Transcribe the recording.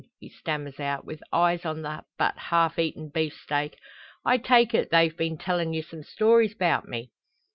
he stammers out, with eyes on the but half eaten beefsteak. "I take it they've been tellin' ye some stories 'bout me."